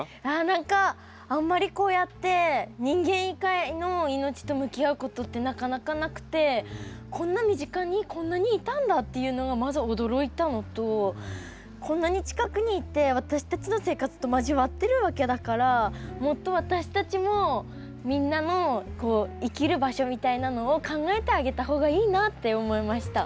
何かあんまりこうやって人間以外の命と向き合うことってなかなかなくてこんな身近にこんなにいたんだっていうのがまず驚いたのとこんなに近くにいて私たちの生活と交わってるわけだからもっと私たちもみんなの生きる場所みたいなのを考えてあげた方がいいなって思いました。